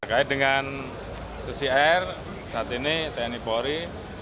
terkait dengan susi air saat ini tni polri